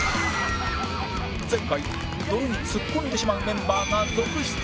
前回泥に突っ込んでしまうメンバーが続出